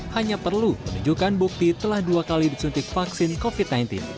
hanya perlu menunjukkan bukti telah dua kali disuntik vaksin covid sembilan belas